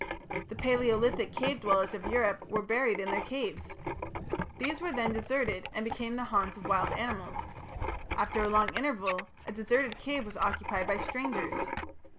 The Palaeolithic cave dwellers of Europe were buried in their caves. These were then deserted and became the haunts of wild animals. After a long interval a deserted cave was occupied by strangers.